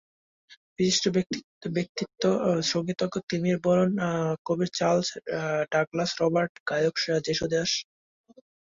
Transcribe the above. বিশিষ্ট ব্যক্তিত্ব—সংগীতজ্ঞ তিমির বরণ, কবি Charles Douglas Robert, গায়ক যেশু দাস।